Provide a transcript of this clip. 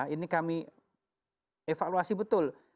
ini kami evaluasi betul